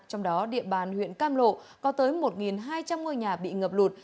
trong đó địa bàn huyện cam lộ có tới một hai trăm linh ngôi nhà bị ngập lụt